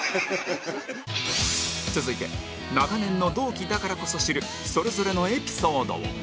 続いて長年の同期だからこそ知るそれぞれのエピソードを